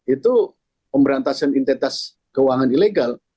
itu pemberantasan identitas keuangan ilegal